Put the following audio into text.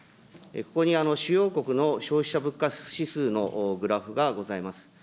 ここに主要国の消費者物価指数のグラフがございます。